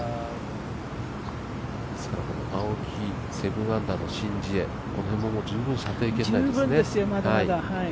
この青木、７アンダーのシン・ジエ、この辺も十分射程圏内ですね。